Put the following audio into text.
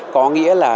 có nghĩa là